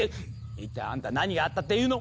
一体あんた何があったっていうの？